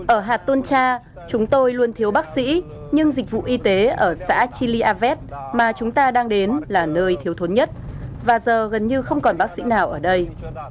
ở hatuncha chúng tôi luôn thiếu bác sĩ nhưng dịch vụ y tế ở xã chiliavet mà chúng ta đang đến là nơi thiếu thốn nhất và giờ gần như không còn bác sĩ nào ở đây